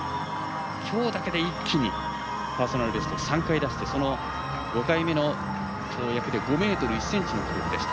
きょうだけで一気にパーソナルベストを３回出して、その５回目の跳躍で５ｍ１ｃｍの記録でした。